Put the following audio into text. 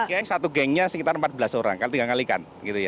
empat belas gang satu gangnya sekitar empat belas orang kan tinggal ngalikan gitu ya